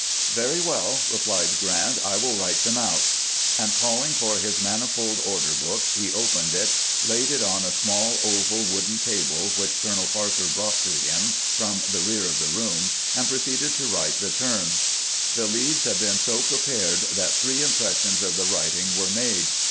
" Very well," replied Grant ;" I will write them out." And calling for his manifold order book, he opened it, laid it on a small oval wooden table which Colonel Parker brought to him from the rear of the room, and proceeded to write the terms. The leaves had been so prepared that three impressions of the writing were made.